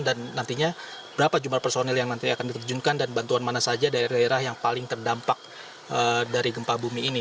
dan nantinya berapa jumlah personel yang nanti akan diterjunkan dan bantuan mana saja dari daerah yang paling terdampak dari gempa bumi ini